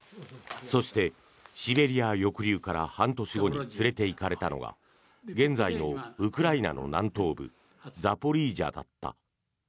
そして、シベリア抑留から半年後に連れていかれたのが現在のウクライナの南東部ザポリージャだった。